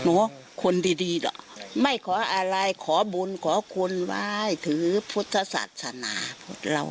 โหคนดีหรอไม่ขออะไรขอบุญขอควรไว้ถือพุทธศาสนาพวกเรา